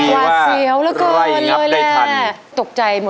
สิบนิ้วผนมและโกมลงคราบ